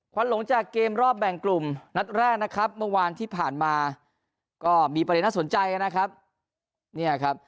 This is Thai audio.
ควันหลงจากเกมรอบแบ่งกลุ่มนัดแรกเมื่อวานที่ผ่านมาก็มีประเด็นน่าสนใจครับ